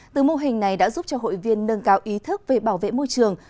từ mô hình này đã giúp cho hội viên nâng cao ý thức về bảo vệ môi trường